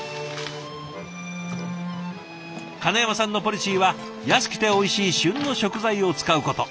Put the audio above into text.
金山さんのポリシーは安くておいしい旬の食材を使うこと。